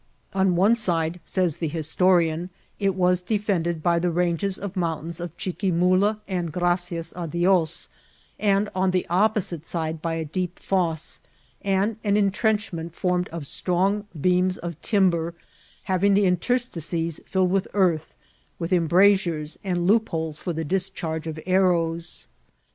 Op. one side, says the historian, it was defended by the ranges of mountains of Chiqnimula and Qracios a Dios, and on the opposite side by a deep fosse, and an intrenchment formed of strong beams of timber, having the interstices filled with earth, with embrasures, and loopholes for the discharge of arrows.